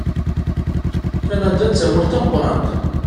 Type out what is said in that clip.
Kanada d tamurt tameqqrant.